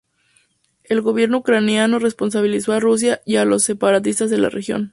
El gobierno ucraniano responsabilizó a Rusia y a los separatistas de la región.